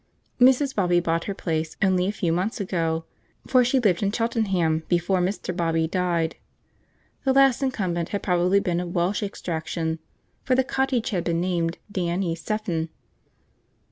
Mrs. Bobby bought her place only a few months ago, for she lived in Cheltenham before Mr. Bobby died. The last incumbent had probably been of Welsh extraction, for the cottage had been named 'Dan y cefn.'